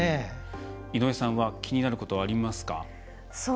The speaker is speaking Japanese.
井上さんは気になることはありますか？